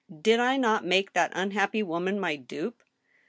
Did I not make that unhappy woman my dupe